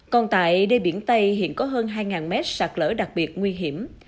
còn tại đê biển tây hiện có hơn hai mét sạt lở đặc biệt nguy hiểm